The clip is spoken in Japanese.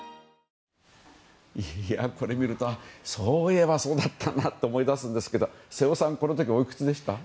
これを見るとそういえばそうだったなと思い出すんですけど瀬尾さん、この時おいくつでした？